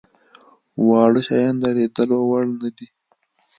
واړه شيان د ليدلو وړ نه دي.